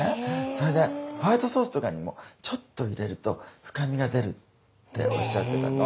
それで「ホワイトソースとかにもちょっと入れると深みが出る」っておっしゃってたの。